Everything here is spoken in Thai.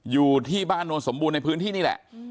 อยู่ที่บ้านโนนสมบูรณ์ในพื้นที่นี่แหละ